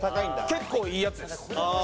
結構いいやつです。